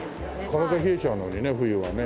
体冷えちゃうのにね冬はね。